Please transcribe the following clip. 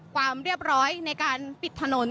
ความเรียบร้อยในการปิดถนน